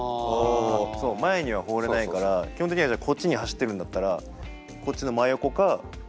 そう前には放れないから基本的にはじゃあこっちに走ってるんだったらこっちの真横かうしろか。